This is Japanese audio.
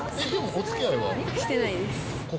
してないです。